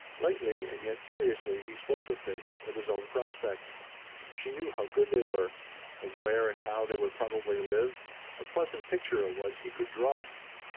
Lightly and yet seriously he spoke of things of his own prospects. She knew how good they were. Of where and how they would probably live; a pleasant picture it was he could draw.